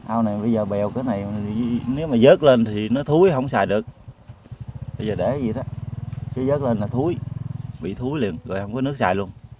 ao này bây giờ bèo cái này nếu mà dớt lên thì nó thúi không xài được bây giờ để vậy đó chứ dớt lên là thúi bị thúi liền rồi không có nước xài luôn